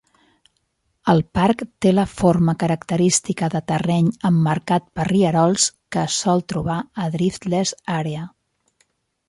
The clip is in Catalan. El parc té la forma característica de terreny emmarcat per rierols que es sol trobar a Driftless Area.